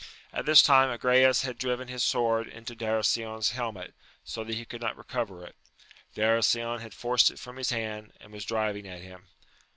At this time Agrayes had driven his sword into Darasion's helmet, so that he could not recover it. Darasion had forced it from his hand, and was, driving at him.